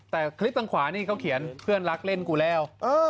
แต่คลิปทางขวานี่เขาเขียนเพื่อนรักเล่นกูแล้ว